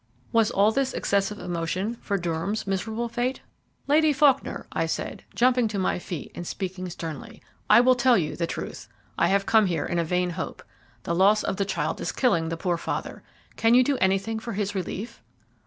Was all this excessive emotion for Durham's miserable fate? "Lady Faulkner," I said, jumping to my feet and speaking sternly, "I will tell you the truth. I have come here in a vain hope. The loss of the child is killing the poor father can you do anything for his relief?"